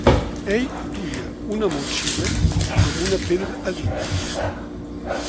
Ell duia una motxilla amb una pedra a dins.